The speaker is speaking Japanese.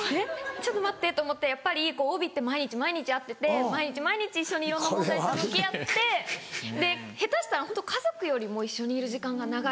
ちょっと待ってと思ってやっぱり帯って毎日毎日会ってて毎日毎日一緒にいろんな問題と向き合って下手したらホント家族よりも一緒にいる時間が長い。